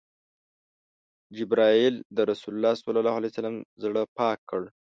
جبرئیل د رسول الله ﷺ زړه پاک کړ.